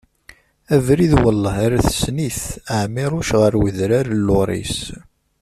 Abrid Welleh ar tessen-it, Ɛmiruc ɣer udran n Luris.